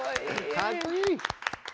かっこいい！